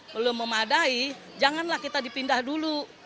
belum memadai janganlah kita dipindah dulu